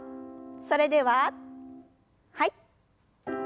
それでははい。